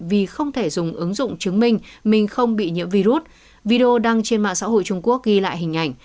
vì không thể dùng ứng dụng chứng minh mình không bị nhiễm virus video đăng trên mạng xã hội trung quốc ghi lại hình ảnh